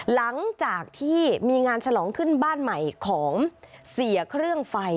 หลังจากที่มีงานฉลองขึ้นบ้านใหม่ของเสียเครื่องไฟ